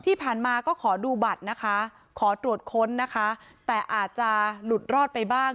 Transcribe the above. ที่ผ่านมาก็ขอดูบัตรนะคะขอตรวจค้นนะคะแต่อาจจะหลุดรอดไปบ้าง